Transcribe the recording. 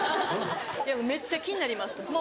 めっちゃ気になります。